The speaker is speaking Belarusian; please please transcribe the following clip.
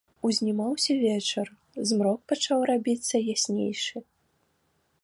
Узнімаўся вечар, змрок пачаў рабіцца яснейшы.